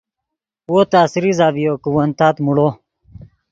وو تس ریزہ ڤیو کہ ون تات موڑو